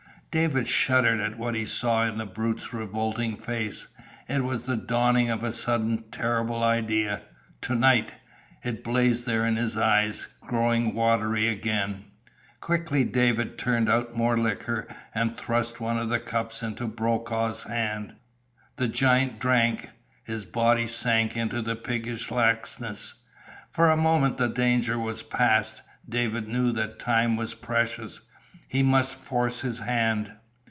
David shuddered at what he saw in the brute's revolting face. It was the dawning of a sudden, terrible idea. To night! It blazed there in his eyes, grown watery again. Quickly David turned out more liquor, and thrust one of the cups into Brokaw's hand. The giant drank. His body sank into piggish laxness. For a moment the danger was past. David knew that time was precious. He must force his hand.